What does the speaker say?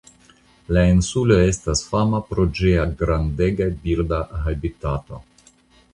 La insulo estas fama pro ĝia grandega birda habitato.